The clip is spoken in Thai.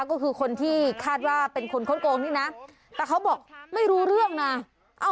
ก็คือคนที่คาดว่าเป็นคนค้นโกงนี่นะแต่เขาบอกไม่รู้เรื่องนะ